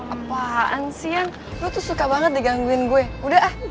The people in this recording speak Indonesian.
apaan sih an lo tuh suka banget digangguin gue udah ah